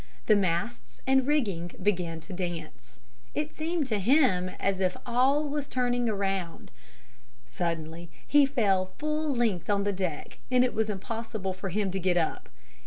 The masts and rigging began to dance. It seemed to him as if all was turning around. Suddenly he fell full length on the deck and it was impossible for him to get up.